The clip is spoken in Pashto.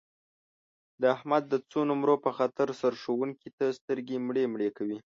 د احمد د څو نمرو په خاطر سرښوونکي ته سترګې مړې مړې کوي.